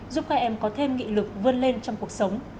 giúp hai em có thêm nghị lực vươn lên trong cuộc sống